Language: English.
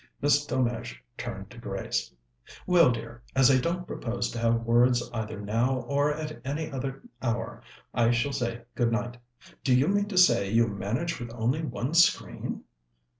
Miss Delmege turned to Grace. "Well, dear, as I don't propose to have words either now or at any other hour, I shall say good night. Do you mean to say you manage with only one screen?"